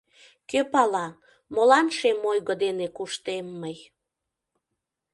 Кӧ пала: молан шем ойго дене куштем мый?